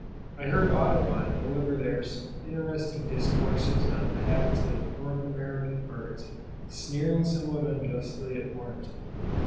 I heard Audubon deliver there some interesting discourses on the habits of N. American birds, sneering somewhat unjustly at Waterton.